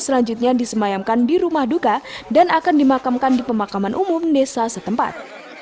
selanjutnya disemayamkan di rumah duka dan akan dimakamkan di pemakaman umum desa setempat